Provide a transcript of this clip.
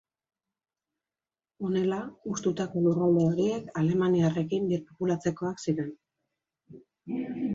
Honela, hustutako lurralde horiek alemaniarrekin birpopulatzekoak ziren.